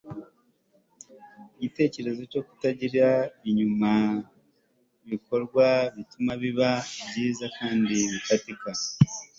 igitekerezo cyo kwitanga inyuma yibikorwa bituma biba byiza kandi bifatika